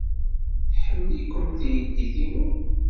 Tḥemmel-ikem teydit-inu.